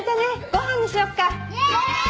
ご飯にしようか。